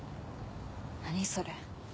何それ。